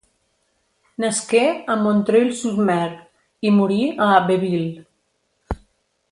Nasqué a Montreuil-sur-Mer i morí a Abbeville.